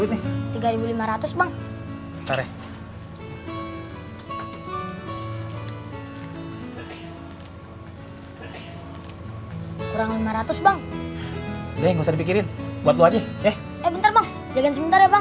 kurang lima ratus bang udah nggak usah dipikirin buat lo aja ya bentar bang jagain sebentar ya bang